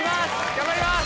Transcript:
頑張ります